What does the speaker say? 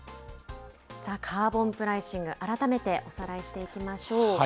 カーボンプライシング、改めておさらいしていきましょう。